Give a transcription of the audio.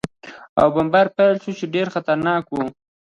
او بمبار پېل شو، چې ډېر خطرناک و.